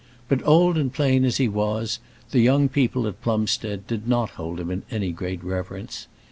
But, old and plain as he was, the young people at Plumstead did not hold him in any great reverence.